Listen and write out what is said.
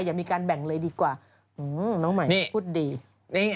อย่ามีการแบ่งเลยดีกว่าน้องหมายพูดดี